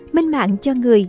minh mạng cho người